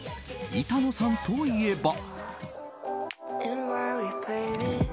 板野さんといえば。